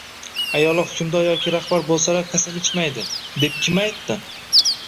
Ayollar hukmdor yoki rahbar bo'lsalar, qasam ichmaydi, deb kim aytdi?